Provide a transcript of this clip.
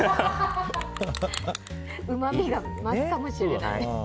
うまみが増すかもしれない。